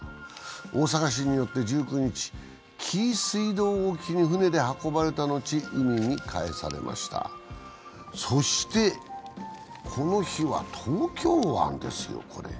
大阪市によって１９日、紀伊水道沖に船で運ばれた後、海に帰されましたそして、この日は東京湾ですよ、これ。